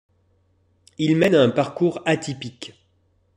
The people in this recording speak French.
Il mène un parcours atypique.